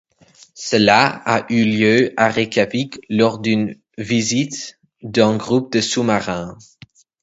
Cela a eu lieu à Reykjavik lors d'une visite d'un groupe de sous-marins.